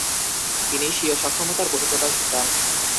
তিনি স্বীয় সক্ষমতার বহিঃপ্রকাশ ঘটান।